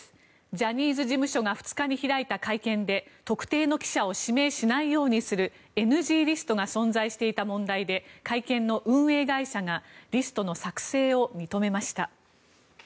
ジャニーズ事務所が２日に開いた会見で特定の記者を指名しないようにするＮＧリストが存在していた問題で会見の運営会社がリストの作成を認めました。